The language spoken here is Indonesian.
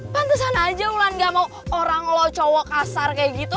pantesan aja wulan gak mau orang lo cowok kasar kayak gitu